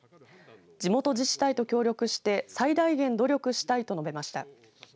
地元自治体と協力して最大限努力したいと述べました。